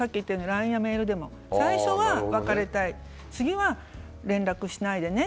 ＬＩＮＥやメールでも最初は別れたい次は連絡しないでね